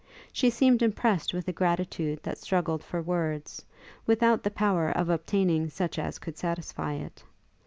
She seemed impressed with a gratitude that struggled for words, without the power of obtaining such as could satisfy it.